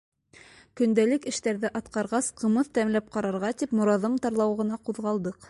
Көндәлек эштәрҙе атҡарғас, ҡымыҙ тәмләп ҡарарға тип, Мораҙым тарлауығына ҡуҙғалдыҡ.